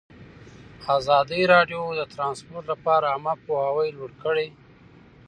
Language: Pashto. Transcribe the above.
ازادي راډیو د ترانسپورټ لپاره عامه پوهاوي لوړ کړی.